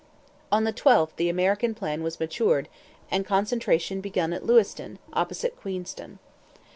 On the 12th the American plan was matured and concentration begun at Lewiston, opposite Queenston.